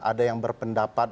ada yang berpendapat